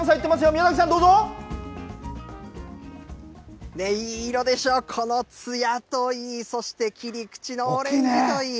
宮崎さん、いい色でしょう、このつやといい、そして切り口のオレンジといい。